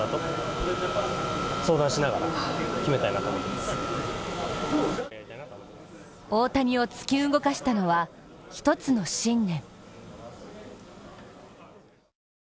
しかし大谷を突き動かしたのは１つの信念。